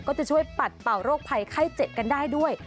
ก็จะช่วยปัดเป่าโรคภัยไข้เจ็บกันได้ด้วย